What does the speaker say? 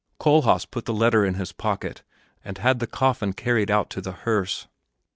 Kohlhaas put the letter in his pocket and had the coffin carried out to the hearse.